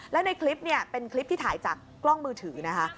แล้วในคลิปเนี่ยเป็นคลิปที่ถ่ายจากกล้องมือถือนะคะ